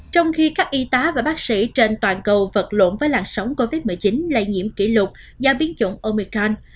trong khi các y tá và bác sĩ trên toàn cầu vật lộn với làn sóng covid một mươi chín lây nhiễm kỷ lục do biến chủng omican